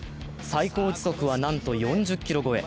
最高時速はなんと４０キロ超え。